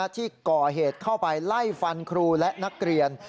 ที่ก่อเหตุเข้าไปไล่ฟันครูและนักเรียน